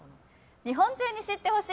日本中に知って欲しい！